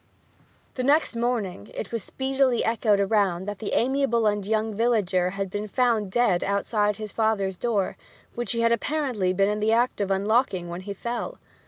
The next morning it was speedily echoed around that the amiable and gentle young villager had been found dead outside his father's door, which he had apparently been in the act of unlocking when he fell.